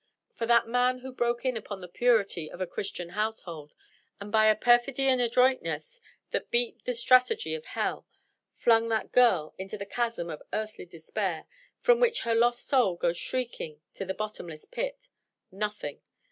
For that man who broke in upon the purity of a Christian household, and by a perfidy and adroitness that beat the strategy of hell, flung that girl into the chasm of earthly despair, from which her lost soul goes shrieking to the bottomless pit nothing!